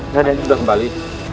raden sudah kembali